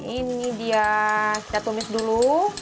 ini dia saya tumis dulu